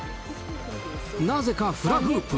なぜかフラフープ。